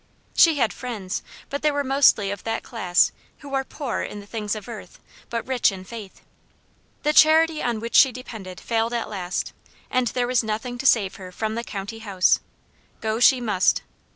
She had friends, but they were mostly of that class who are poor in the things of earth, but "rich in faith." The charity on which she depended failed at last, and there was nothing to save her from the "County House;" GO SHE MUST.